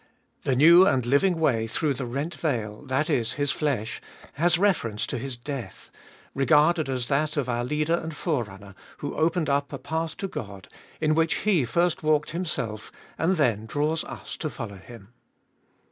The new and living way, through the rent veil, that is, His flesh, has reference to His death, regarded as that of our Leader and Forerunner, who opened up a path to God, in which He first walked Himself, and then draws us to follow Him.